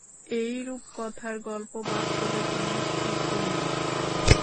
এটা রুপকথার গল্প, বাস্তবে কোনো অস্তিত্ব নেই।